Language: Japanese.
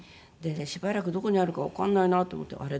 しばらくどこにあるかわからないなと思ってあれ？